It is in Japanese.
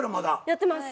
やってます。